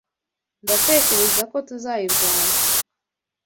Ndatekereza ko tuzayirwanya